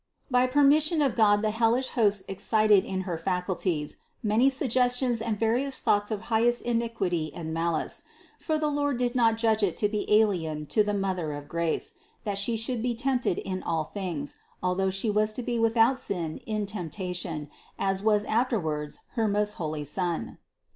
By permission of God the hellish host excited in her faculties many suggestions and various thoughts of highest iniquity and malice; for the Lord did not judge it to be alien to the Mother of Grace, that She should be tempted in all things, although She was to be without sin in temptation, as was afterwards her most holy Son.